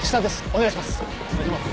お願いします。